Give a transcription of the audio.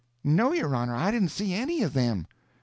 "No, your honor, I didn't see any of them."